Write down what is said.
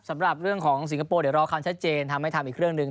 สำหรับเรื่องของสิงคโปร์เดี๋ยวรอความชัดเจนทำให้ทำอีกเรื่องหนึ่ง